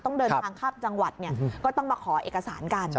ต้องเดินทางข้ามจังหวัดก็ต้องมาขอเอกสารกัน